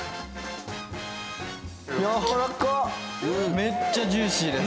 めっちゃジューシーです。